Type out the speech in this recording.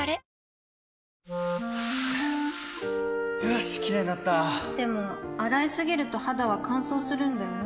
よしキレイになったでも、洗いすぎると肌は乾燥するんだよね